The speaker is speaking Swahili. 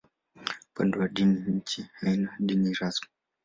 Upande wa dini, nchi haina dini rasmi.